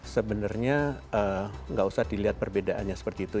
sebenarnya nggak usah dilihat perbedaannya seperti itu